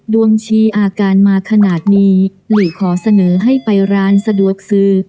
ชี้อาการมาขนาดนี้หลีขอเสนอให้ไปร้านสะดวกซื้อ